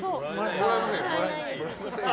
もらえません。